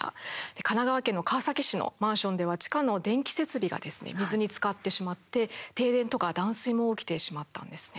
神奈川県の川崎市のマンションでは地下の電気設備がですね水につかってしまって、停電とか断水も起きてしまったんですね。